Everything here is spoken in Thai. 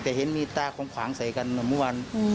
แต่เห็นตราของขวางใส่กันนะมือวัน